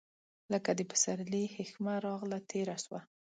لکه د پسرلي هیښمه راغله، تیره سوه